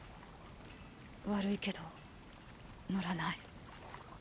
悪いけど乗らない。